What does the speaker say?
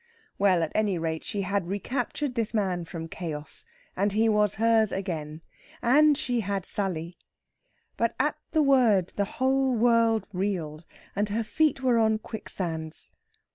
Well, at any rate, she had recaptured this man from Chaos, and he was hers again. And she had Sally. But at the word the whole world reeled and her feet were on quicksands.